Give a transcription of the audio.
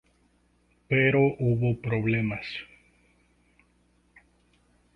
Pero hubo problemas.